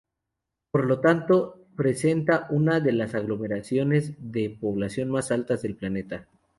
Por lo tanto, presenta una de las aglomeraciones de población más altas del planeta.